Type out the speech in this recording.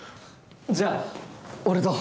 じゃあ、俺と。